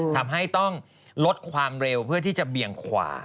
ทำให้ต้องลดความเร็วเพื่อที่จะเบี่ยงขวา